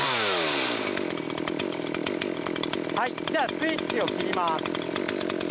じゃあスイッチを切ります。